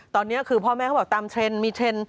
ตอนนี้คือพ่อแม่เขาบอกตามเทรนด์มีเทรนด์